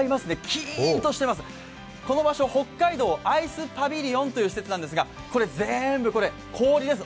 キーンとしてます、この場所北海道アイスパビリオンという施設なんですがこれ全部氷です。